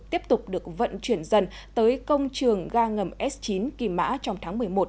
tiếp tục được vận chuyển dần tới công trường ga ngầm s chín kỳ mã trong tháng một mươi một